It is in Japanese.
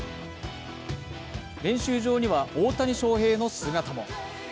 練習場には大谷翔平の姿も。